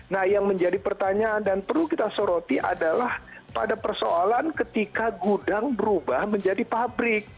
dan yang menjadi pertanyaan dan perlu kita soroti adalah pada persoalan ketika gudang berubah menjadi pabrik